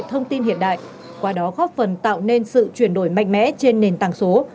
thông tin hiện đại qua đó góp phần tạo nên sự chuyển đổi mạnh mẽ trên nền tảng số